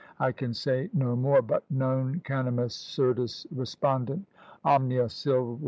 I can say no more, but non canimus surdis, respondent omnia sylvæ.